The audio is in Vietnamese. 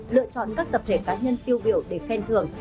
lựa chọn các tập thể cá nhân tiêu biểu để khen thường